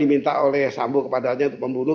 diminta oleh sambu kepadanya untuk membunuh